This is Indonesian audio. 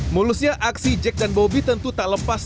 mulusnya aksi jack dan bobi tentu tak lepas